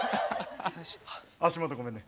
足元ごめんね。